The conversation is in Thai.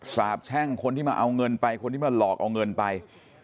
สาบแช่งคนที่มาเอาเงินไปคนที่มาหลอกเอาเงินไป